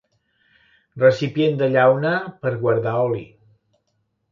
Recipient de llauna per a guardar oli.